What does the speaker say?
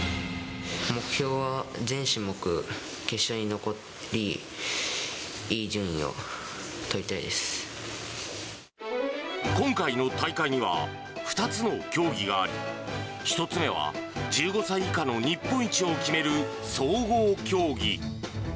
目標は全種目決勝に残り、今回の大会には、２つの競技があり、１つ目は１５歳以下の日本一を決める総合競技。